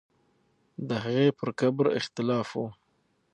د هغې پر قبر اختلاف وو.